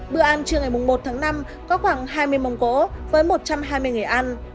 bữa ăn trưa ngày một tháng năm có khoảng hai mươi mông cổ với một trăm hai mươi nghề ăn